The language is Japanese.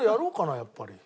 やっぱり。